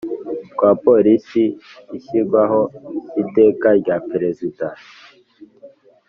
twa Polisi ishyirwaho n Iteka rya Perezida